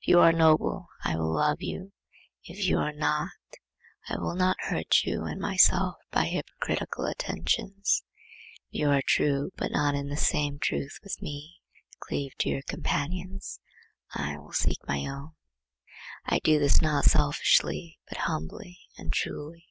If you are noble, I will love you: if you are not, I will not hurt you and myself by hypocritical attentions. If you are true, but not in the same truth with me, cleave to your companions; I will seek my own. I do this not selfishly but humbly and truly.